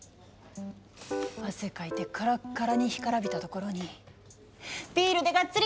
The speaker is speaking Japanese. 汗かいてカラッカラに干からびたところにビールでガッツリ